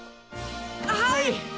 はい！